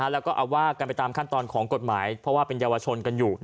แล้วก็เอาว่ากันไปตามขั้นตอนของกฎหมายเพราะว่าเป็นเยาวชนกันอยู่